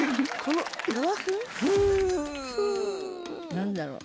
何だろう？